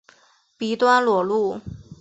鼻端裸露。